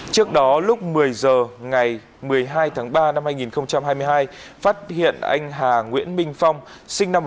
trước đó lúc một mươi h ngày một mươi hai tháng ba năm hai nghìn hai mươi hai phát hiện anh hà nguyễn minh phong sinh năm một nghìn chín trăm tám mươi ba